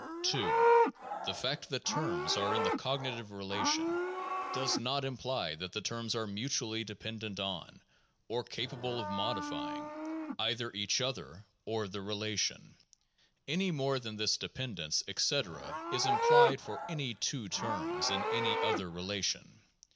2. The fact that terms are in the cognitive relation does not imply that the terms are mutually dependent on, or capable of modifying, either each other or the relation, any more than this de pendence, etc., is implied for any two terms in any other relation.